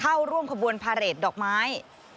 เข้าร่วมขบวนพาเรทดอกไม้